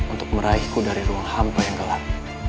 untuk meraihku dari ruang hampa yang gelap